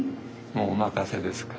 もうお任せですから。